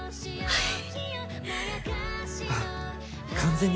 はい。